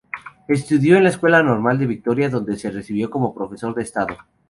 Estudió en la Escuela Normal de Victoria donde se recibió como profesor de Estado.